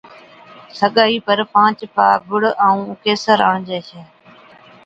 سگائِي پر پانچ پا گُڙ ائُون قيسر آڻجي ڇَي